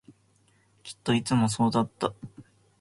きっといつもそうだった